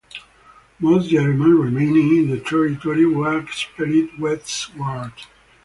Most Germans remaining in the territory were expelled westward.